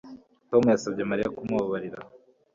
Tom yasabye Mariya kumubabarira